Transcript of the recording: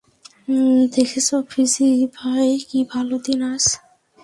দেখেছো, ফেজি ভাই, কি ভালো দিন আজ?